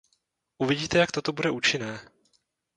Uvidíte, jak toto bude účinné.